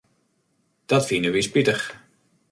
Dat fine wy spitich.